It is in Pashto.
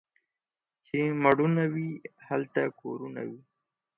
چي مړونه وي ، هلته کورونه وي.